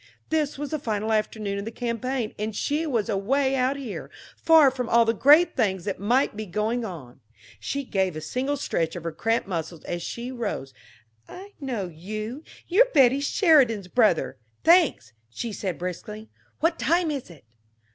This was the final afternoon of the campaign and she was away out here, far from all the great things that might be going on. She gave a single stretch of her cramped muscles as she rose. "I know you you're Betty Sheridan's brother thanks," she said briskly. "What time is it?"